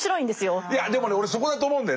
いやでもね俺そこだと思うんだよね。